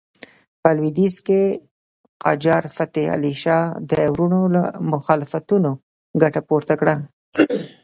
په لوېدیځ کې قاجار فتح علي شاه د وروڼو له مخالفتونو ګټه پورته کړه.